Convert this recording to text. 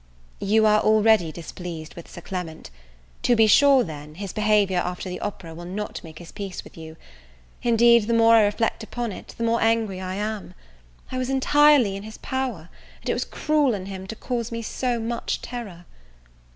You are already displeased with Sir Clement: to be sure, then, his behaviour after the opera will not make his peace with you. Indeed the more I reflect upon it, the more angry I am. I was entirely in his power, and it was cruel in him to cause me so much terror.